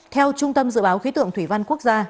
theo trung tâm dự báo khí tượng thủy văn quốc gia